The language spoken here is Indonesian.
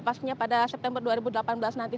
pastinya pada september dua ribu delapan belas nanti